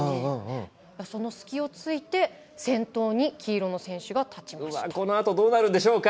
その隙を突いて先頭に黄色の選手が立ちました。